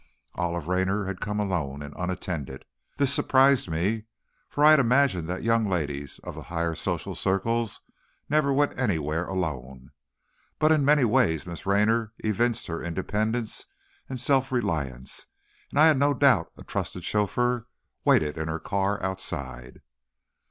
Olive Raynor had come alone and unattended. This surprised me, for I had imagined the young ladies of the higher social circles never went anywhere alone. But in many ways Miss Raynor evinced her independence and self reliance, and I had no doubt a trusted chauffeur waited in her car outside.